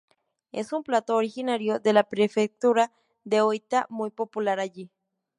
Es un plato originario de la prefectura de Oita, muy popular allí.